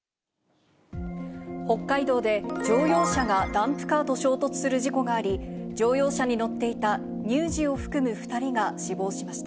北海道で乗用車がダンプカーと衝突する事故があり、乗用車に乗っていた乳児を含む２人が死亡しました。